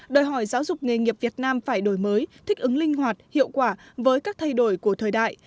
đòi hỏi giáo dục nghề nghiệp việt nam phải đổi mới thích ứng linh hoạt hiệu quả với các thay đổi của thời đại